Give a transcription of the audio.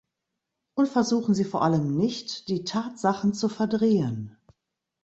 Und versuchen Sie vor allem nicht, die Tatsachen zu verdrehen.